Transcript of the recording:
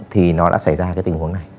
thì nó đã xảy ra tình huống này